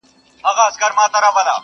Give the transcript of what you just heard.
او د زړه درد رسېدلی،